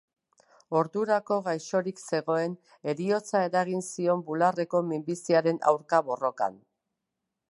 Ordurako gaixorik zegoen, heriotza eragin zion bularreko minbiziaren aurka borrokan.